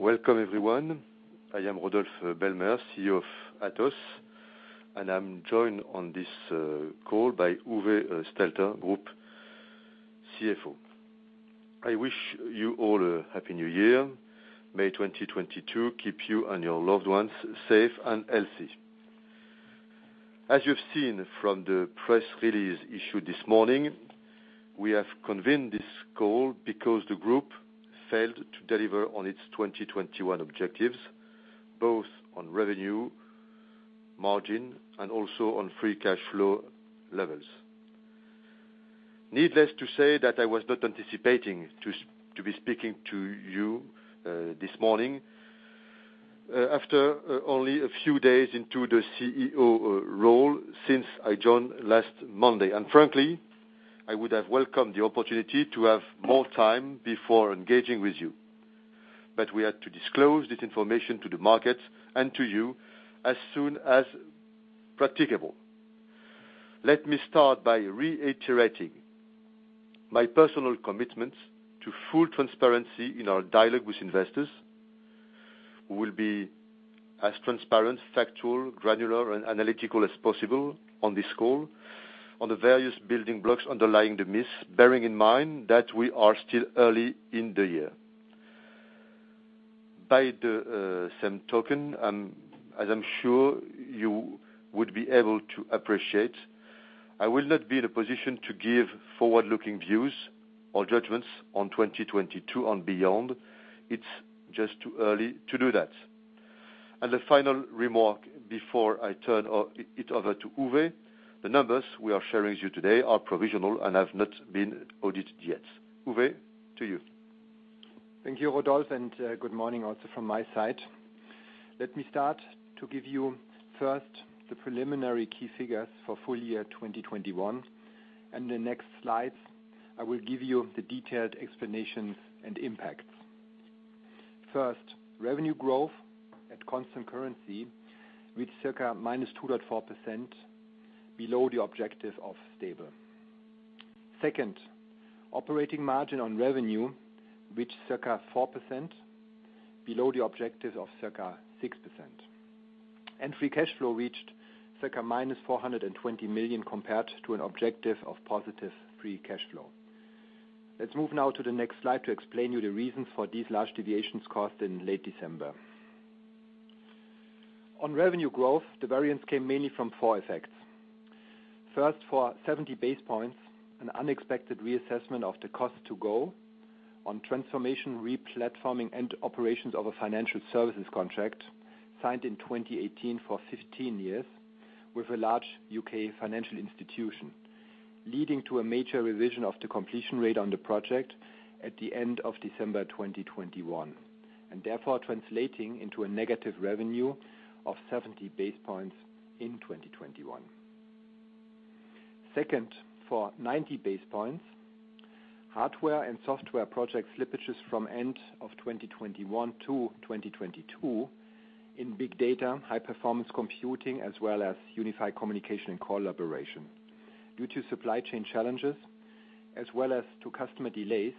Welcome everyone. I am Rodolphe Belmer, CEO of Atos, and I'm joined on this call by Uwe Stelter, Group CFO. I wish you all a Happy New Year. May 2022 keep you and your loved ones safe and healthy. As you've seen from the press release issued this morning, we have convened this call because the group failed to deliver on its 2021 objectives, both on revenue, margin, and also on free cash flow levels. Needless to say that I was not anticipating to be speaking to you this morning after only a few days into the CEO role since I joined last Monday. Frankly, I would have welcomed the opportunity to have more time before engaging with you. We had to disclose this information to the market and to you as soon as practicable. Let me start by reiterating my personal commitment to full transparency in our dialogue with investors, who will be as transparent, factual, granular, and analytical as possible on this call, on the various building blocks underlying the miss, bearing in mind that we are still early in the year. By the same token, as I'm sure you would be able to appreciate, I will not be in a position to give forward-looking views or judgments on 2022 and beyond. It's just too early to do that. The final remark before I turn it over to Uwe, the numbers we are sharing with you today are provisional and have not been audited yet. Uwe, to you. Thank you, Rodolphe, and good morning also from my side. Let me start to give you first the preliminary key figures for full-year 2021, and the next slides I will give you the detailed explanations and impacts. First, revenue growth at constant currency with circa -2.4% below the objective of stable. Second, operating margin on revenue reached circa 4% below the objective of circa 6%. Free cash flow reached circa -420 million compared to an objective of positive free cash flow. Let's move now to the next slide to explain to you the reasons for these large deviations caused in late December. On revenue growth, the variance came mainly from four effects. First, for 70 basis points, an unexpected reassessment of the cost to go on transformation replatforming and operations of a financial services contract signed in 2018 for 15 years with a large U.K. financial institution, leading to a major revision of the completion rate on the project at the end of December 2021, and therefore translating into a negative revenue of 70 basis points in 2021. Second, for 90 basis points, hardware and software project slippages from end of 2021 to 2022 in Big Data, High Performance Computing, as well as Unified Communications and Collaboration due to supply chain challenges as well as to customer delays,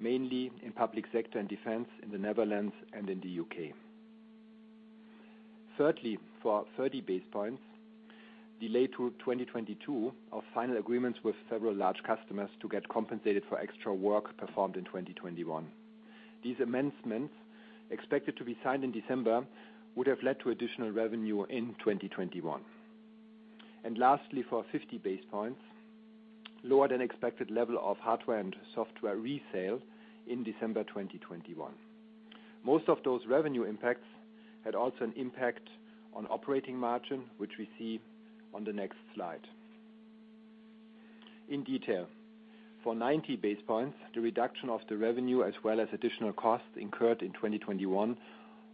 mainly in public sector and defense in the Netherlands and in the U.K. Thirdly, for 30 basis points, delay to 2022 of final agreements with several large customers to get compensated for extra work performed in 2021. These amendments, expected to be signed in December, would have led to additional revenue in 2021. Lastly, for 50 basis points, lower than expected level of hardware and software resale in December 2021. Most of those revenue impacts had also an impact on operating margin, which we see on the next slide. In detail, for 90 basis points, the reduction of the revenue as well as additional costs incurred in 2021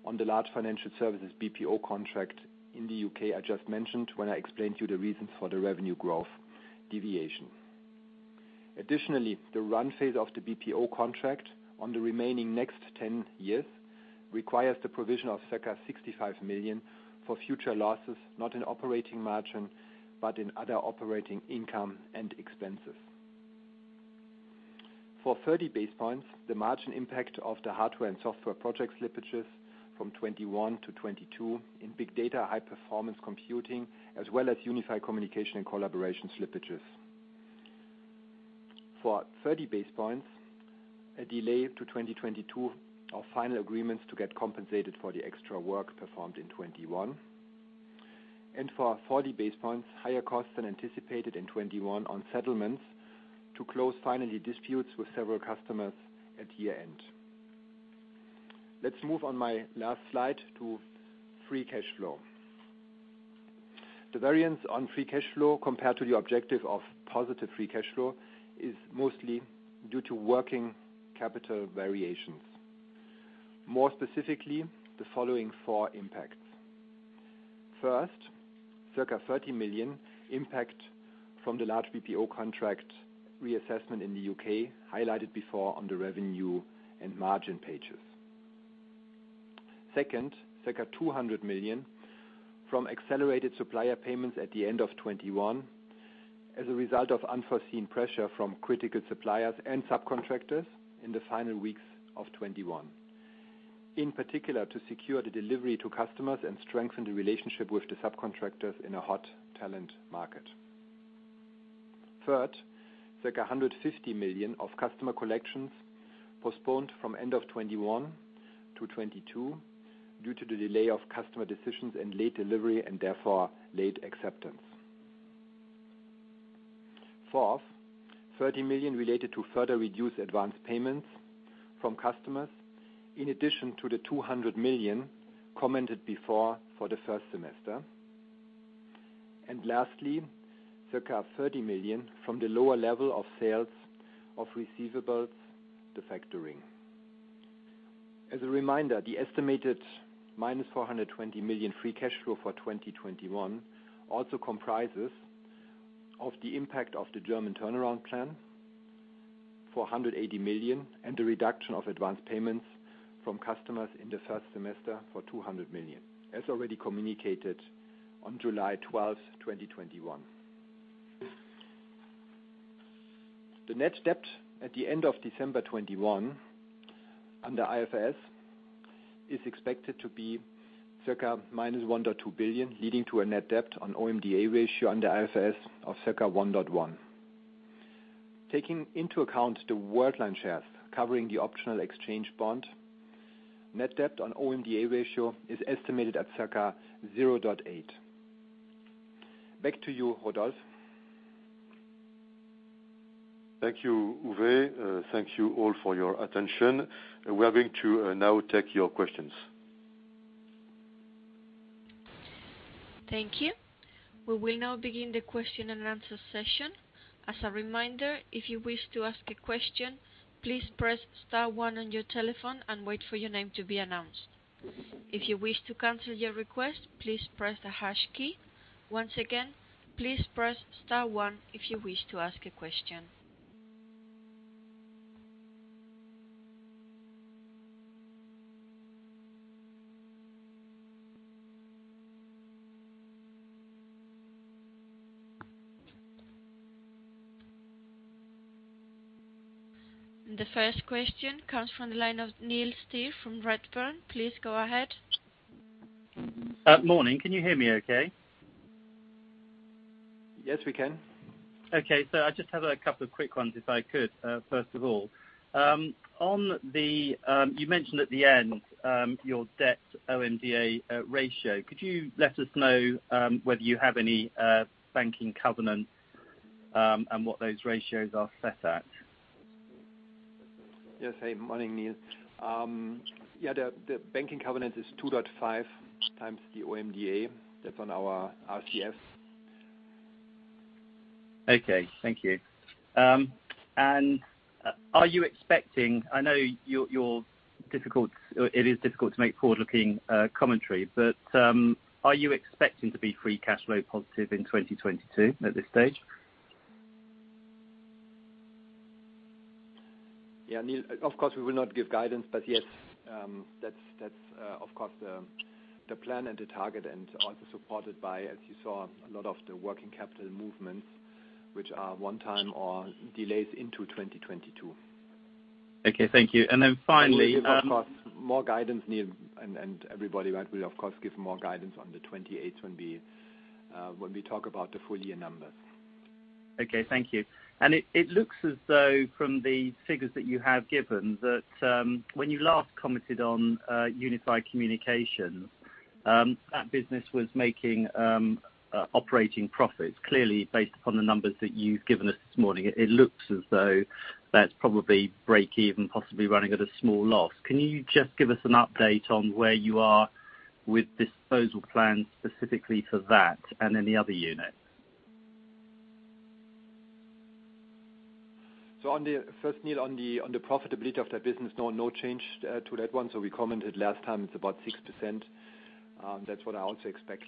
on the large financial services BPO contract in the U.K. I just mentioned when I explained to you the reasons for the revenue growth deviation. Additionally, the run phase of the BPO contract on the remaining next 10 years requires the provision of circa 65 million for future losses, not in operating margin, but in other operating income and expenses. For 30 basis points, the margin impact of the hardware and software project slippages from 2021 to 2022 in Big Data High Performance Computing as well as Unified Communications and Collaboration slippages. For 30 basis points, a delay to 2022 of final agreements to get compensated for the extra work performed in 2021. For 40 basis points, higher costs than anticipated in 2021 on settlements to close finally disputes with several customers at year-end. Let's move on to my last slide to free cash flow. The variance on free cash flow compared to the objective of positive free cash flow is mostly due to working capital variations. More specifically, the following four impacts. First, circa 30 million impact from the large BPO contract reassessment in the U.K. highlighted before on the revenue and margin pages. Second, circa 200 million from accelerated supplier payments at the end of 2021 as a result of unforeseen pressure from critical suppliers and subcontractors in the final weeks of 2021. In particular, to secure the delivery to customers and strengthen the relationship with the subcontractors in a hot talent market. Third, like 150 million of customer collections postponed from end of 2021 to 2022 due to the delay of customer decisions and late delivery and therefore late acceptance. Fourth, 30 million related to further reduced advance payments from customers in addition to the 200 million commented before for the first semester. Lastly, circa 30 million from the lower level of sales of receivables, the factoring. As a reminder, the estimated -420 million free cash flow for 2021 also comprises of the impact of the German turnaround plan, 480 million, and the reduction of advanced payments from customers in the first semester for 200 million, as already communicated on July 12th, 2021. The net debt at the end of December 2021 under IFRS is expected to be circa -1.2 billion, leading to a net debt on OMDA ratio under IFRS of circa 1.1. Taking into account the Worldline shares covering the optional exchangeable bond, net debt on OMDA ratio is estimated at circa 0.8. Back to you, Rodolphe. Thank you, Uwe. Thank you all for your attention. We are going to now take your questions. Thank you. We will now begin the question and answer session. As a reminder, if you wish to ask a question, please press star one on your telephone and wait for your name to be announced. If you wish to cancel your request, please press the hash key. Once again, please press star one if you wish to ask a question. The first question comes from the line of Neil Steer from Redburn. Please go ahead. Morning. Can you hear me okay? Yes, we can. I just have a couple of quick ones, if I could. First of all, on the one you mentioned at the end, your debt OMDA ratio. Could you let us know whether you have any banking covenants and what those ratios are set at? Yes. Hey, morning, Neil. Yeah, the banking covenant is 2.5x the OMDA. That's on our RCF. Okay. Thank you. I know it is difficult to make forward-looking commentary, but are you expecting to be free cash flow positive in 2022 at this stage? Yeah, Neil, of course, we will not give guidance, but yes, that's of course the plan and the target and also supported by, as you saw, a lot of the working capital movements, which are one-time or delays into 2022. Okay, thank you. Finally, We'll give, of course, more guidance, Neil, and everybody. I will, of course, give more guidance on the 28th when we talk about the full-year numbers. Okay, thank you. It looks as though from the figures that you have given that when you last commented on Unified Communications that business was making operating profits. Clearly, based upon the numbers that you've given us this morning, it looks as though that's probably break even, possibly running at a small loss. Can you just give us an update on where you are with disposal plans specifically for that and any other units? On the first, Neil, on the profitability of that business, no change to that one. We commented last time, it's about 6%. That's what I also expect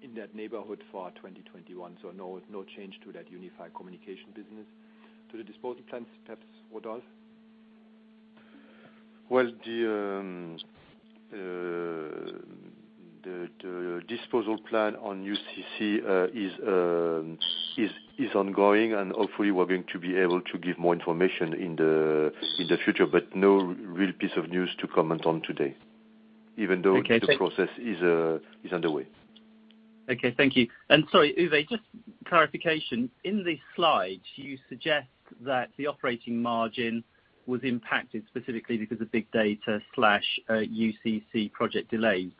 in that neighborhood for 2021. No change to that Unified Communication business. To the disposal plans, perhaps, Rodolphe? Well, the disposal plan on UCC is ongoing, and hopefully we're going to be able to give more information in the future, but no real piece of news to comment on today. Okay. The process is underway. Okay, thank you. Sorry, Uwe, just clarification. In this slide, you suggest that the operating margin was impacted specifically because of Big Data/UCC project delays.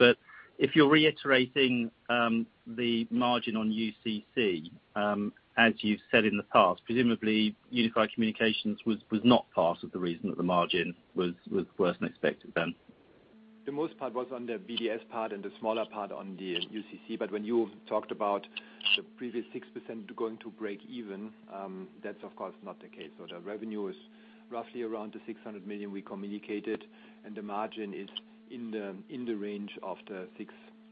If you're reiterating the margin on UCC, as you've said in the past, presumably Unified Communications was not part of the reason that the margin was worse than expected then. The most part was on the BDS part and the smaller part on the UCC. When you talked about the previous 6% going to break even, that's of course not the case. The revenue is roughly around 600 million we communicated, and the margin is in the range of the 6%,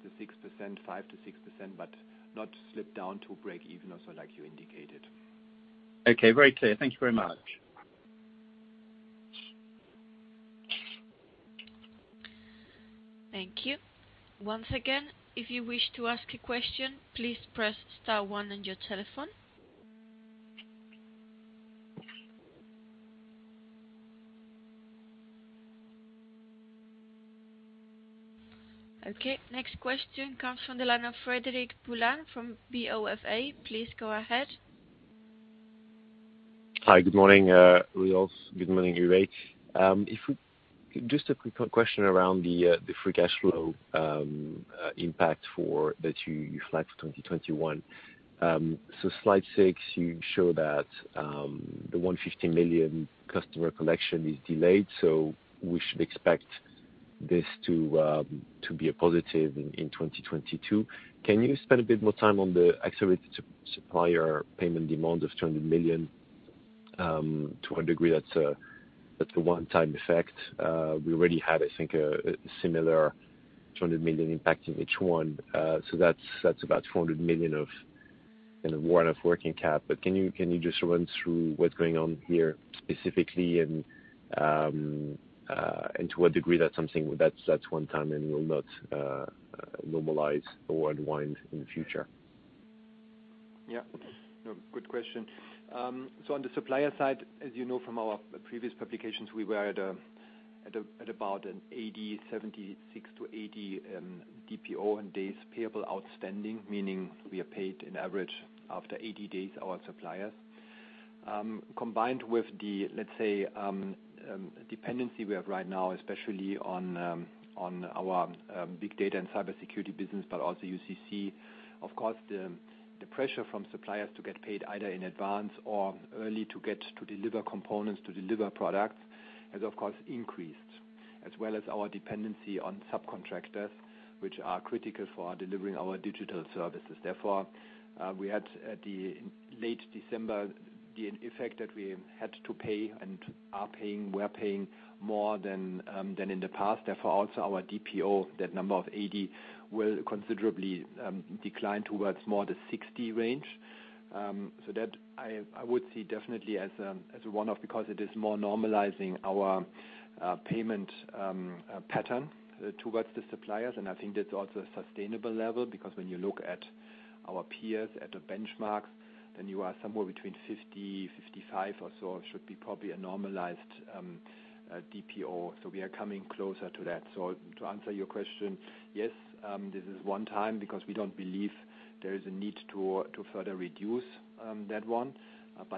5%-6%, but not slipped down to break even, also like you indicated. Okay. Very clear. Thank you very much. Thank you. Once again, if you wish to ask a question, please press star one on your telephone. Okay, next question comes from the line of Frederic Boulan from BofA. Please go ahead. Hi, good morning, Rodolphe. Good morning, Uwe. Just a quick question around the free cash flow impact that you flagged for 2021. Slide six, you show that the 150 million customer collection is delayed, so we should expect this to be a positive in 2022. Can you spend a bit more time on the accelerated supplier payment demand of 200 million? To a degree, that's a one-time effect. We already had, I think, a similar 200 million impact in H1. That's about 400 million of working cap. Can you just run through what's going on here specifically and to what degree that's something that's one time and will not normalize or unwind in the future? Yeah. No, good question. On the supplier side, as you know from our previous publications, we were at about 80, 76-80 DPO on days payable outstanding, meaning we are paid in average after 80 days our suppliers. Combined with the, let's say, dependency we have right now, especially on our Big Data and Cybersecurity business, but also UCC. Of course, the pressure from suppliers to get paid either in advance or early to deliver components, to deliver products has of course increased, as well as our dependency on subcontractors, which are critical for delivering our digital services. Therefore, we had at the late December the effect that we had to pay and are paying, we're paying more than in the past. Therefore, also our DPO, that number of 80, will considerably decline towards more the 60 range. That I would see definitely as one of, because it is more normalizing our payment pattern towards the suppliers. I think that's also a sustainable level because when you look at our peers at the benchmarks, then you are somewhere between 50, 55 or so should be probably a normalized DPO. We are coming closer to that. To answer your question, yes, this is one time because we don't believe there is a need to further reduce that one.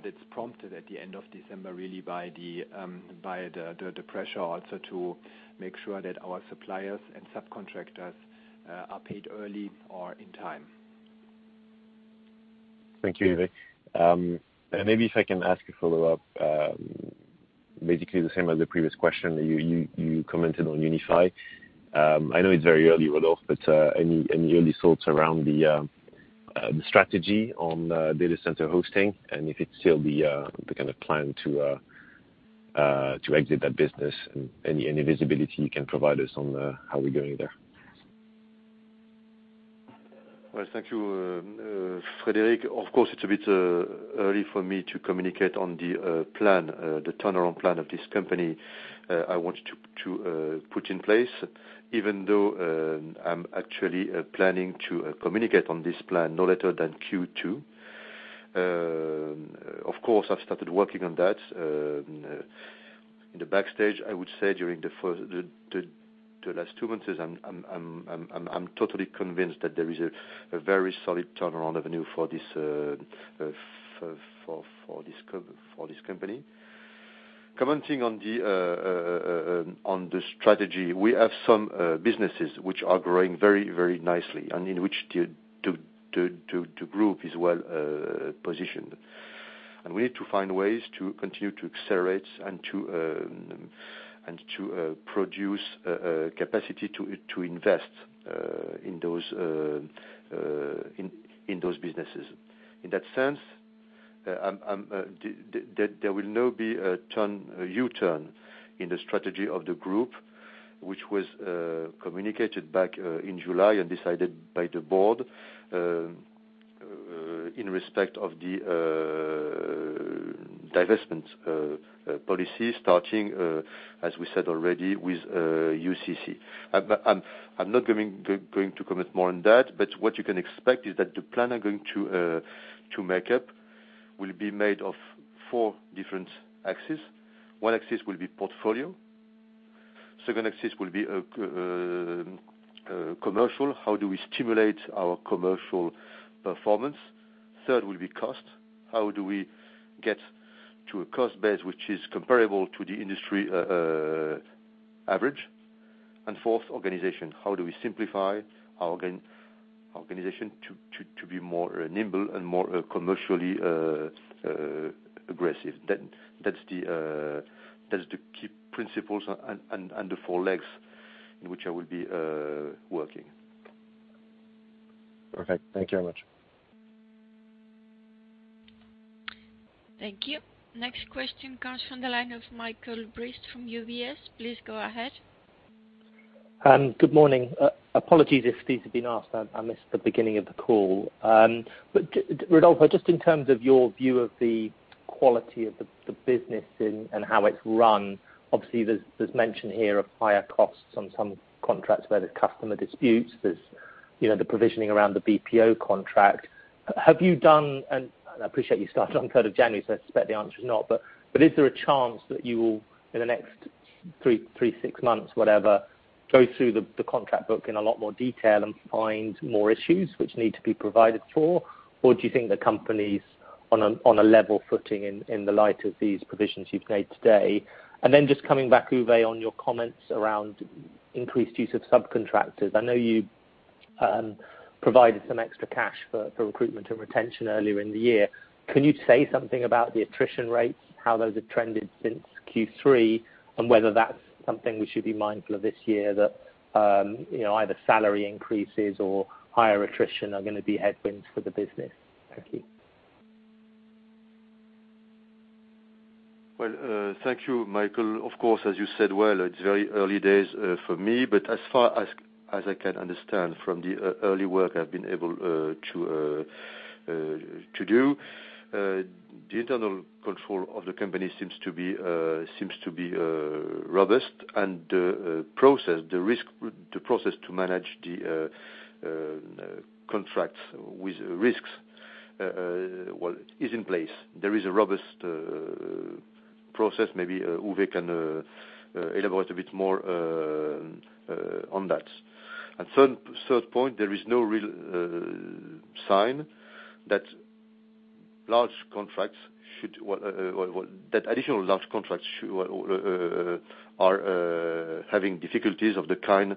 It's prompted at the end of December really by the pressure also to make sure that our suppliers and subcontractors are paid early or in time. Thank you, Uwe. Maybe if I can ask a follow-up, basically the same as the previous question you commented on Unify. I know it's very early, Rudolf, but any early thoughts around the strategy on data center hosting, and if it's still the kind of plan to exit that business and any visibility you can provide us on how we're going there? Well, thank you, Frederic. Of course, it's a bit early for me to communicate on the turnaround plan of this company I want to put in place, even though I'm actually planning to communicate on this plan no later than Q2. Of course, I've started working on that in the background, I would say during the last two months. I'm totally convinced that there is a very solid turnaround avenue for this company. Commenting on the strategy, we have some businesses which are growing very nicely and in which the group is well positioned. We need to find ways to continue to accelerate and to produce capacity to invest in those businesses. In that sense, there will now be a U-turn in the strategy of the group, which was communicated back in July and decided by the board in respect of the divestment policy starting, as we said already with UCC. I'm not going to comment more on that, but what you can expect is that the plan I'm going to make up will be made of four different axes. One axis will be portfolio. Second axis will be commercial. How do we stimulate our commercial performance? Third will be cost. How do we get to a cost base which is comparable to the industry average? Fourth, organization. How do we simplify our organization to be more nimble and more commercially aggressive? That's the key principles and the four legs in which I will be working. Perfect. Thank you very much. Thank you. Next question comes from the line of Michael Briest from UBS. Please go ahead. Good morning. Apologies if these have been asked. I missed the beginning of the call. Rodolphe, just in terms of your view of the quality of the business and how it's run, obviously there's mention here of higher costs on some contracts where there's customer disputes, you know, the provisioning around the BPO contract. Have you done, and I appreciate you started on January 3rd, so I suspect the answer is not, is there a chance that you will, in the next three, six months, whatever, go through the contract book in a lot more detail and find more issues which need to be provided for? Or do you think the company's on a level footing in the light of these provisions you've made today? Just coming back, Uwe, on your comments around increased use of subcontractors. I know you provided some extra cash for recruitment and retention earlier in the year. Can you say something about the attrition rates, how those have trended since Q3, and whether that's something we should be mindful of this year, that, you know, either salary increases or higher attrition are gonna be headwinds for the business? Thank you. Well, thank you, Michael. Of course, as you said, well, it's very early days for me, but as far as I can understand from the early work I've been able to do, the internal control of the company seems to be robust and processed. The process to manage the contracts with risks, well, is in place. There is a robust process, maybe Uwe can elaborate a bit more on that. Third point, there is no real sign that large contracts should, well, that additional large contracts are having difficulties of the kind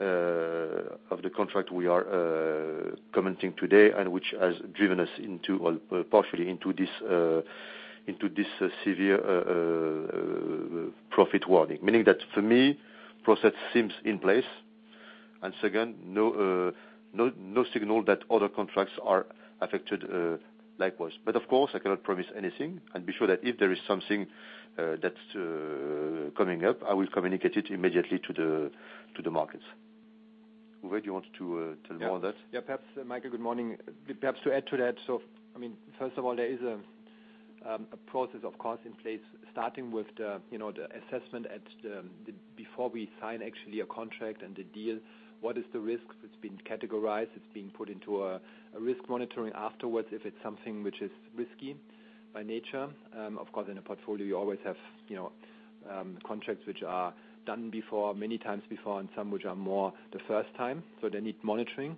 of the contract we are commenting today, and which has driven us into, well, partially into this severe profit warning. Meaning that for me, process seems in place, and second, no signal that other contracts are affected likewise. Of course, I cannot promise anything, and be sure that if there is something that's coming up, I will communicate it immediately to the markets. Uwe, do you want to tell more on that? Yeah, perhaps, Michael, good morning. Perhaps to add to that, I mean, first of all, there is a process in place, starting with you know the assessment before we sign actually a contract and the deal, what is the risk that's been categorized, it's being put into a risk monitoring afterwards if it's something which is risky by nature. Of course, in a portfolio you always have you know contracts which are done before, many times before, and some which are more the first time, so they need monitoring.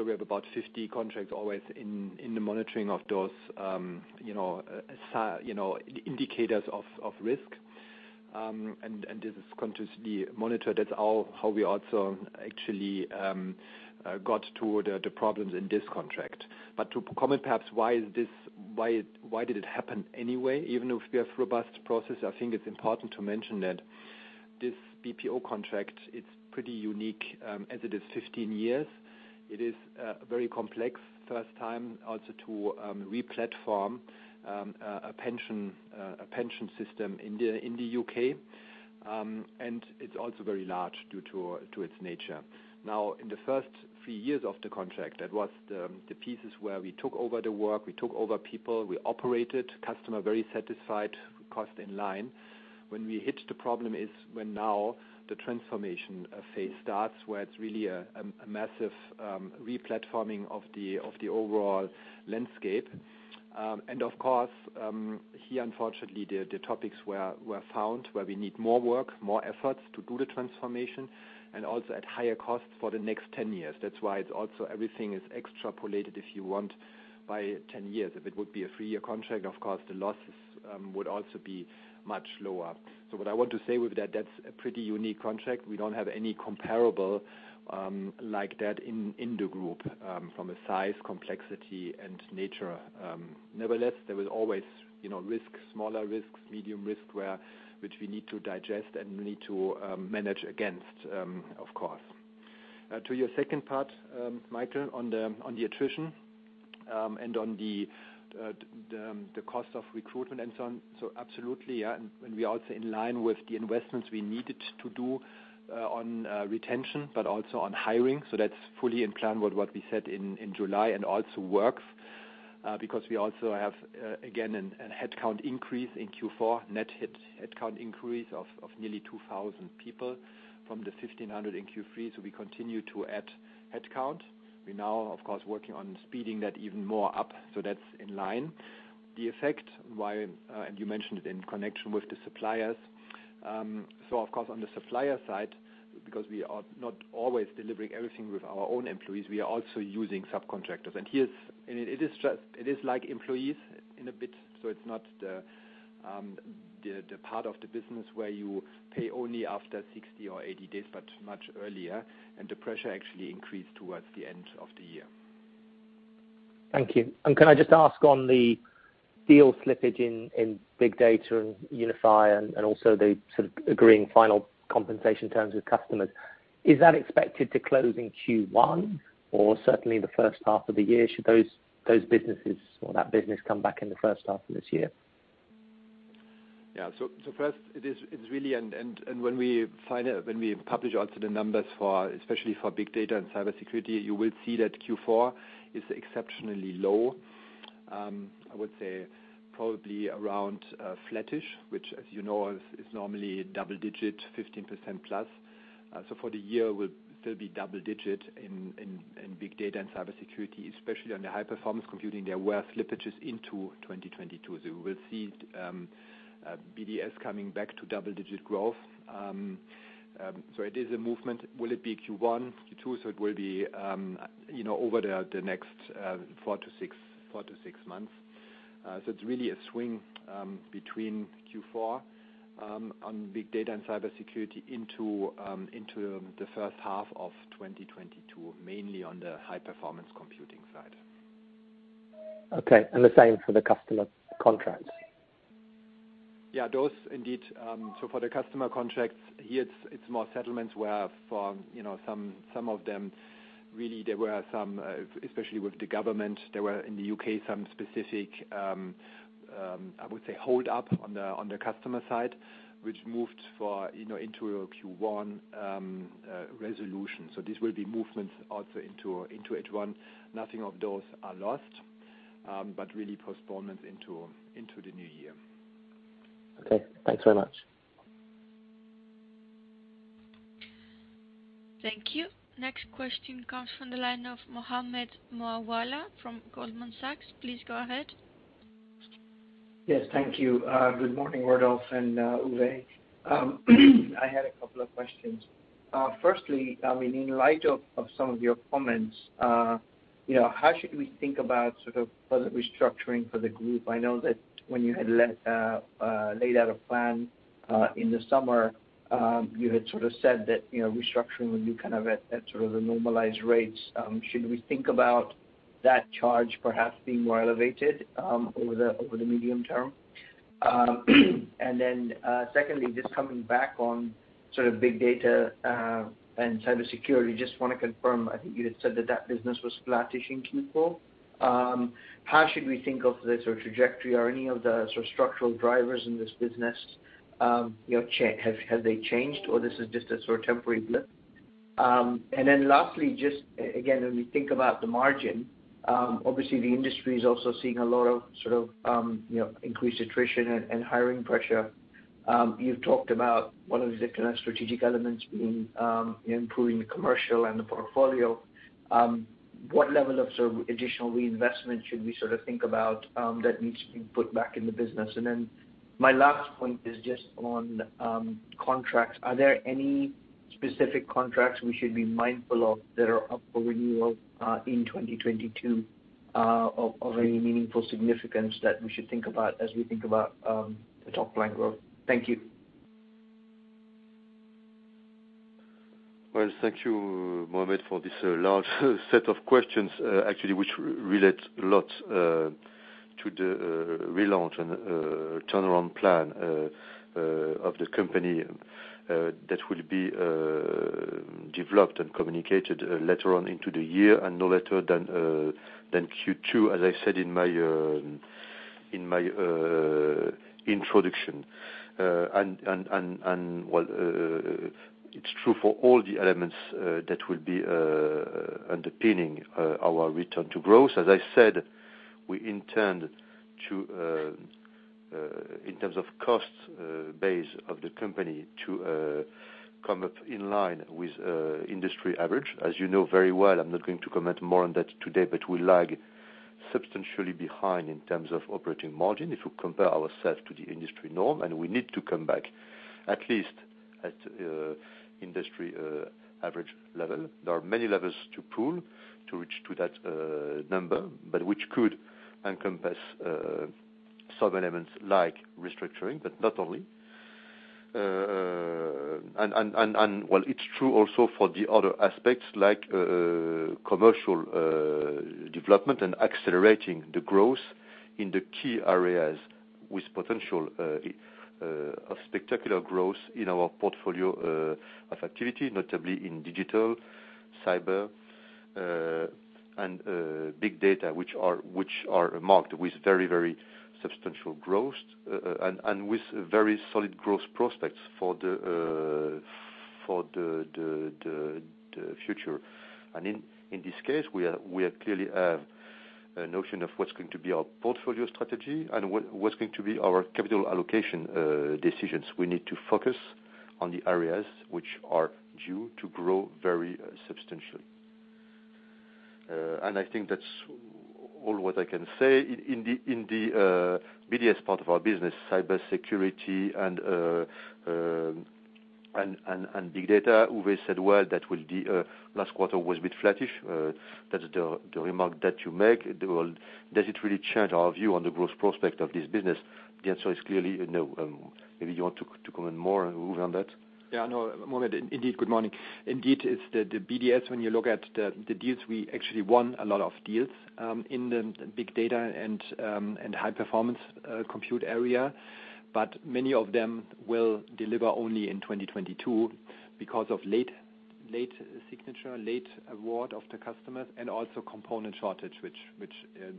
We have about 50 contracts always in the monitoring of those you know indicators of risk. And this is continuously monitored, that's how we also actually got to the problems in this contract. To comment perhaps why did it happen anyway, even if we have robust process, I think it's important to mention that this BPO contract, it's pretty unique, as it is 15 years. It is very complex, first time also to re-platform a pension system in the U.K. It's also very large due to its nature. Now, in the first few years of the contract, that was the pieces where we took over the work, we took over people, we operated, customer very satisfied, cost in line. When we hit the problem is when now the transformation phase starts, where it's really a massive re-platforming of the overall landscape. Of course, here unfortunately the topics were found where we need more work, more efforts to do the transformation, and also at higher costs for the next 10 years. That's why it's also everything is extrapolated, if you want, by 10 years. If it would be a three year contract, of course the losses would also be much lower. What I want to say with that's a pretty unique contract. We don't have any comparable like that in the group from a size, complexity and nature. Nevertheless, there is always, you know, risk, smaller risks, medium risk which we need to digest and we need to manage against, of course. To your second part, Michael, on the attrition and on the cost of recruitment and so on. Absolutely, yeah, and we are also in line with the investments we needed to do on retention, but also on hiring. That's fully in plan with what we said in July and also works because we also have again a headcount increase in Q4, net headcount increase of nearly 2,000 people from the 1,500 in Q3. We continue to add headcount. We now of course working on speeding that even more up, that's in line. The effect, why, and you mentioned it in connection with the suppliers. Of course on the supplier side, because we are not always delivering everything with our own employees, we are also using subcontractors. It is just like employees in a bit, so it's not the part of the business where you pay only after 60 or 80 days, but much earlier, and the pressure actually increased towards the end of the year. Thank you. Can I just ask on the deal slippage in Big Data and Unify and also the sort of agreeing final compensation terms with customers, is that expected to close in Q1 or certainly the first half of the year, should those businesses or that business come back in the first half of this year? First, it's really, and when we publish also the numbers for, especially for Big Data & Cybersecurity, you will see that Q4 is exceptionally low. I would say probably around flatish, which as you know is normally double-digit 15%+. For the year, it will still be double-digit in Big Data & Cybersecurity, especially on the High Performance Computing, there were slippages into 2022. We will see BDS coming back to double-digit growth. It is a movement. Will it be Q1, Q2? It will be, you know, over the next four to six months. It's really a swing between Q4 on Big Data & Cybersecurity into the first half of 2022, mainly on the High Performance Computing side. Okay. The same for the customer contracts? Yeah, those indeed. For the customer contracts, here it's more settlements where for, you know, some of them really there were some, especially with the government, there were in the U.K. some specific, I would say hold up on the customer side, which moved for, you know, into a Q1 resolution. This will be movements also into H1. Nothing of those are lost, but really postponements into the new year. Okay. Thanks very much. Thank you. Next question comes from the line of Mohammed Moawalla from Goldman Sachs. Please go ahead. Yes. Thank you. Good morning, Rodolphe and Uwe. I had a couple of questions. Firstly, I mean, in light of some of your comments, you know, how should we think about sort of further restructuring for the group? I know that when you had laid out a plan in the summer, you had sort of said that, you know, restructuring would be kind of at sort of the normalized rates. Should we think about that charge perhaps being more elevated over the medium term? Secondly, just coming back on sort of Big Data & Cybersecurity, just wanna confirm. I think you had said that that business was flattish in Q4. How should we think of the sort of trajectory or any of the sort of structural drivers in this business? You know, have they changed, or this is just a sort of temporary blip? Lastly, just again, when we think about the margin, obviously the industry is also seeing a lot of sort of, you know, increased attrition and hiring pressure. You've talked about one of the kind of strategic elements being improving the commercial and the portfolio. What level of sort of additional reinvestment should we sort of think about that needs to be put back in the business? My last point is just on contracts. Are there any specific contracts we should be mindful of that are up for renewal in 2022 of any meaningful significance that we should think about as we think about the top line growth? Thank you. Well, thank you, Mohammed, for this large set of questions, actually, which relate a lot to the relaunch and turnaround plan of the company that will be developed and communicated later on into the year and no later than Q2, as I said in my introduction. While it's true for all the elements that will be underpinning our return to growth. As I said, we intend to, in terms of cost base of the company, come up in line with industry average. As you know very well, I'm not going to comment more on that today, but we lag substantially behind in terms of operating margin if you compare ourselves to the industry norm, and we need to come back at least at industry average level. There are many levers to pull to reach to that number, but which could encompass some elements like restructuring, but not only. While it's true also for the other aspects like commercial development and accelerating the growth in the key areas with potential of spectacular growth in our portfolio of activity, notably in digital, cyber and big data, which are marked with very, very substantial growth and with very solid growth prospects for the future. In this case, we have a notion of what's going to be our portfolio strategy and what's going to be our capital allocation decisions. We need to focus on the areas which are due to grow very substantially. I think that's all what I can say. In the BDS part of our business, cybersecurity and big data, Uwe said, well, that will be last quarter was a bit flattish. That's the remark that you make. Well, does it really change our view on the growth prospect of this business? The answer is clearly no. Maybe you want to comment more, Uwe, on that. Yeah, no, Mohammed, indeed. Good morning. Indeed, it's the BDS. When you look at the deals, we actually won a lot of deals in the Big Data and High Performance Computing area. But many of them will deliver only in 2022 because of late Late signature, late award of the customers, and also component shortage, which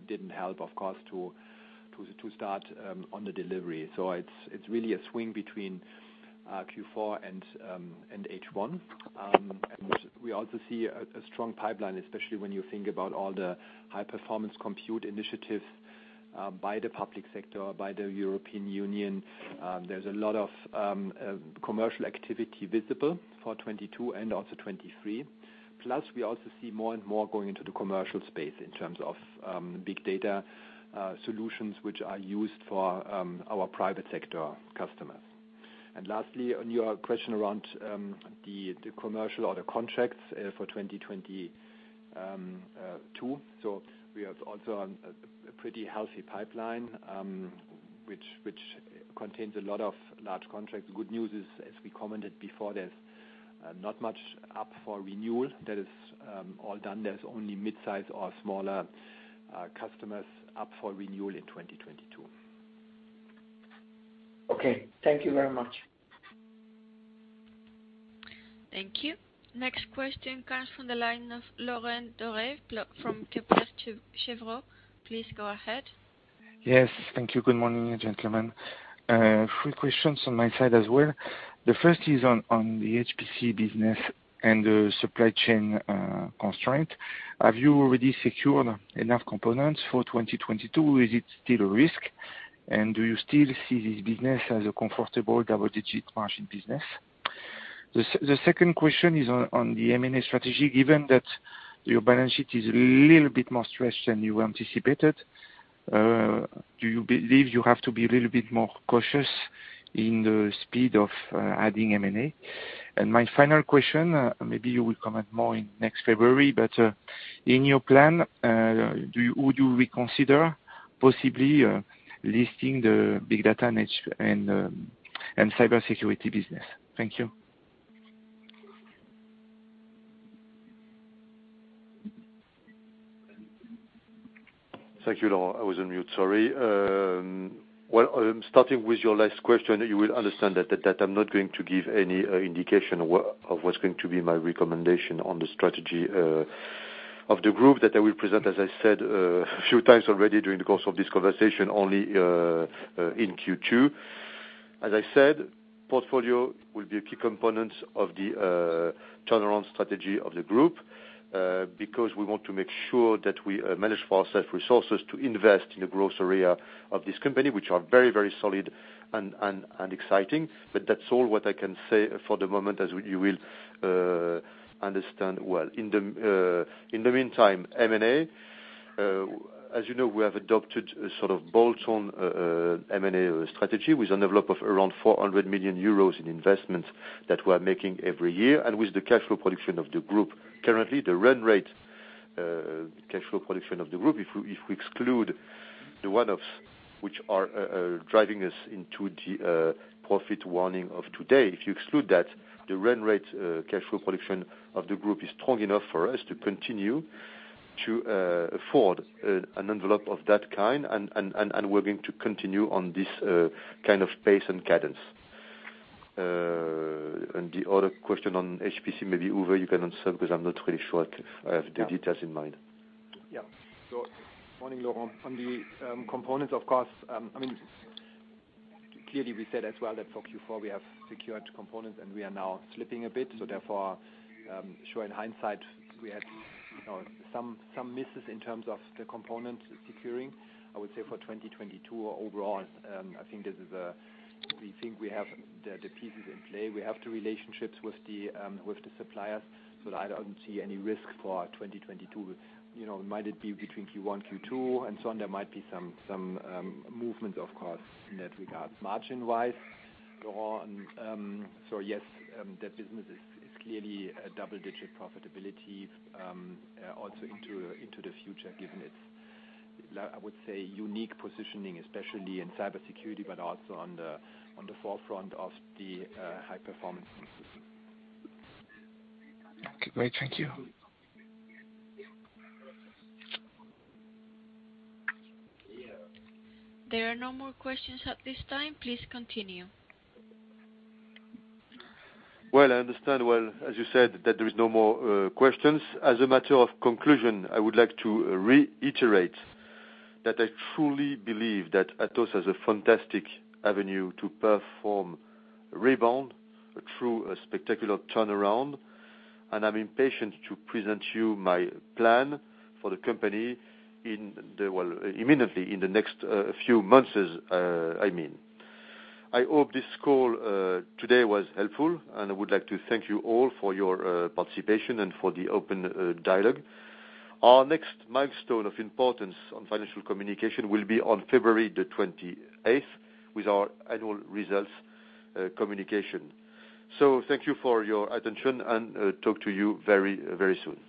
didn't help, of course, to start on the delivery. It's really a swing between Q4 and H1. We also see a strong pipeline, especially when you think about all the high-performance computing initiatives by the public sector, by the European Union. There's a lot of commercial activity visible for 2022 and also 2023. Plus, we also see more and more going into the commercial space in terms of Big Data solutions which are used for our private sector customers. Lastly, on your question around the commercial order contracts for 2022. We have also a pretty healthy pipeline which contains a lot of large contracts. Good news is, as we commented before, there's not much up for renewal. That is all done. There's only midsize or smaller customers up for renewal in 2022. Okay. Thank you very much. Thank you. Next question comes from the line of Laurent Daure from Kepler Cheuvreux. Please go ahead. Yes. Thank you. Good morning, gentlemen. Three questions on my side as well. The first is on the HPC business and the supply chain constraint. Have you already secured enough components for 2022? Is it still a risk? And do you still see this business as a comfortable double-digit margin business? The second question is on the M&A strategy. Given that your balance sheet is a little bit more stretched than you anticipated, do you believe you have to be a little bit more cautious in the speed of adding M&A? And my final question, maybe you will comment more in next February, but in your plan, do you would you reconsider possibly listing the Big Data and Cybersecurity business? Thank you. Thank you, Laurent. I was on mute, sorry. Well, starting with your last question, you will understand that I'm not going to give any indication of what's going to be my recommendation on the strategy of the group that I will present, as I said a few times already during the course of this conversation, only in Q2. As I said, portfolio will be a key component of the turnaround strategy of the group, because we want to make sure that we manage for ourself resources to invest in the growth area of this company, which are very, very solid and exciting. That's all what I can say for the moment, as you will understand well. In the meantime, M&A, as you know, we have adopted a sort of bolt-on M&A strategy with an envelope of around 400 million euros in investments that we're making every year and with the cash flow production of the group. Currently, the run rate cash flow production of the group, if we exclude the one-offs which are driving us into the profit warning of today. If you exclude that, the run rate cash flow production of the group is strong enough for us to continue to afford an envelope of that kind and we're going to continue on this kind of pace and cadence. The other question on HPC, maybe Uwe, you can answer because I'm not really sure I have the details in mind. Yeah. Morning, Laurent. On the components, of course, I mean, clearly we said as well that for Q4 we have secured components and we are now slipping a bit. Sure, in hindsight, we had, you know, some misses in terms of the component securing. I would say for 2022 overall, I think this is, we think we have the pieces in play. We have the relationships with the suppliers. I don't see any risk for 2022. You know, might it be between Q1, Q2, and so on, there might be some movement, of course, in that regard. Margin-wise, Laurent, so yes, that business is clearly a double-digit profitability, also into the future, given its I would say unique positioning, especially in Cybersecurity, but also on the forefront of the High Performance Computing. Okay, great. Thank you. There are no more questions at this time. Please continue. Well, I understand, as you said, that there is no more questions. As a matter of conclusion, I would like to reiterate that I truly believe that Atos has a fantastic avenue to perform rebound through a spectacular turnaround, and I'm impatient to present you my plan for the company in the, well, immediately in the next few months, I mean. I hope this call today was helpful, and I would like to thank you all for your participation and for the open dialogue. Our next milestone of importance on financial communication will be on February the 28th with our annual results communication. Thank you for your attention and talk to you very, very soon.